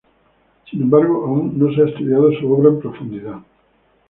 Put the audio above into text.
Sin embargo, aún no se ha estudiado su obra en profundidad.